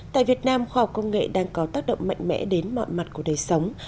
tại việt nam khoa học công nghệ đang có tác động mạnh mẽ đến mọi mặt của đời sống